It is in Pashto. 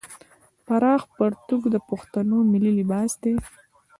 پراخ پرتوګ د پښتنو ملي لباس دی.